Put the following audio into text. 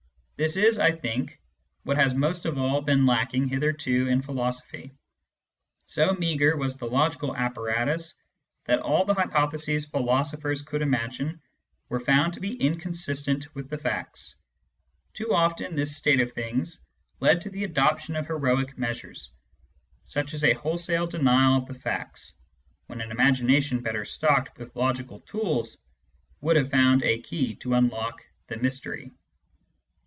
This is, I think, what has most of all been lacking hitherto in philosophy. So meagre was the logical apparatus that all the hypotheses philosophers could imagine were found to be inconsistent with the facts. Too often this state of things led to the adoption of heroic measures, such as a wholesale denial of the facts, when an imagination better stocked with logical tools would have found a key to unlock the mystery.